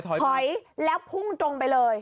ถอยแล้วพุ่งตรงไปเลย